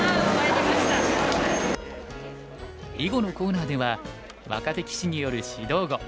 囲碁のコーナーでは若手棋士による指導碁。